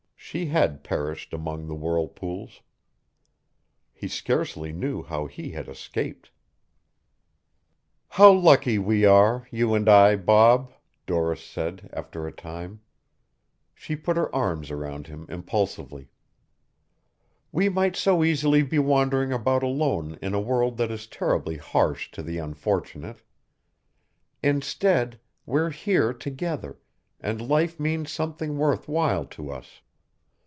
She had perished among the whirlpools. He scarcely knew how he had escaped. "How lucky we are, you and I, Bob," Doris said after a time. She put her arms around him impulsively. "We might so easily be wandering about alone in a world that is terribly harsh to the unfortunate. Instead we're here together, and life means something worth while to us.